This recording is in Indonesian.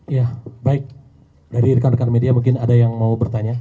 ya baik dari rekan rekan media mungkin ada yang mau bertanya